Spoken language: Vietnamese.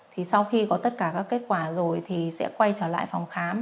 thì sau khi có tất cả các kết quả rồi thì sẽ quay trở lại phòng khám